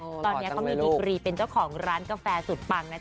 ตอนนี้เขามีดีกรีเป็นเจ้าของร้านกาแฟสุดปังนะจ